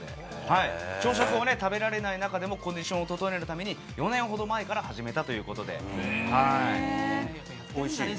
朝食を食べられない中でも、コンディションを整えるために４年ほど前から始めたということです。